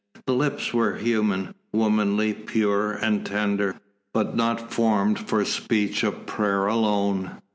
The lips were human, womanly, pure and tender, but not formed for speech of prayer alone.